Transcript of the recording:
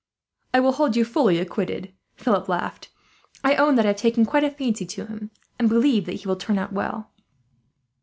"I will hold you fully acquitted," Philip laughed. "I own that I have taken quite a fancy to him, and believe that he will turn out well."